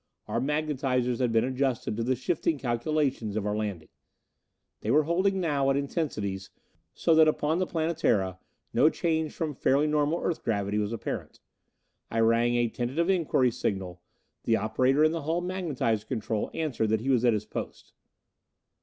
Our magnitizers had been adjusted to the shifting calculations of our landing. They were holding now at intensities, so that upon the Planetara no change from fairly normal Earth gravity was apparent. I rang a tentative inquiry signal; the operator in the hull magnetizer control answered that he was at his post.